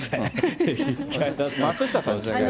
松下さんですから。